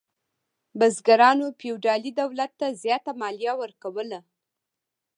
بزګرانو فیوډالي دولت ته زیاته مالیه ورکوله.